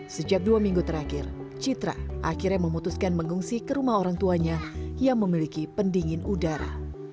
sejak dua minggu terakhir citra akhirnya memutuskan mengungsi ke rumah orang tuanya yang memiliki pendingin udara